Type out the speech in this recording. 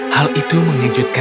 hal itu mengejutkan